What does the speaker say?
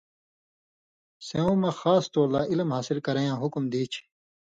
سېوں مہ خاص طور لا علم حاصل کرَیں یاں حُکم دیچھی۔